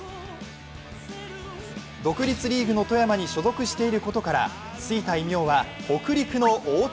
独立リーグの富山に所属していることからついた異名は北陸の大谷。